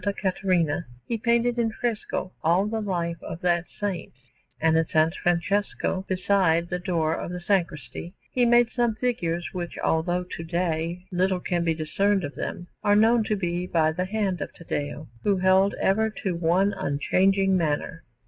Caterina, he painted in fresco all the life of that Saint; and in S. Francesco, beside the door of the sacristy, he made some figures which, although to day little can be discerned of them, are known to be by the hand of Taddeo, who held ever to one unchanging manner.